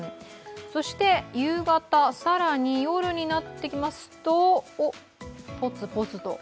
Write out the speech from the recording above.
そして夕方、更に夜になってきますとポツポツと。